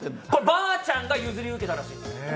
ばあちゃんが譲り受けたらしいです。